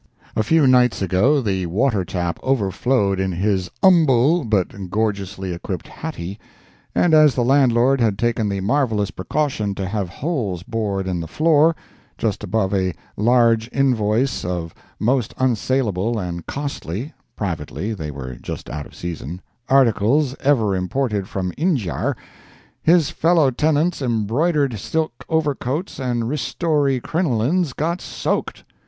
A few nights ago the water tap overflowed in his 'umble but gorgeously equipped hattie, and as the landlord had taken the marvellous precaution to have holes bored in the floor, just above a large invoice of most unsaleable and costly (privately, they were just out of season) articles ever imported from Injiar, his fellow tenants' embroidered silk overcoats and Ristori crinolines got soaked.